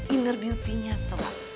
inner beauty nya coba